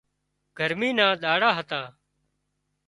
گرمي نا ۮاڙا هتا